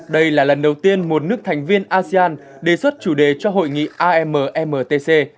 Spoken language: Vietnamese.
đây là lần đầu tiên một nước thành viên asean đề xuất chủ đề cho hội nghị ammtc